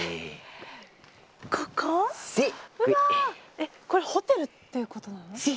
えっこれホテルっていうことなの？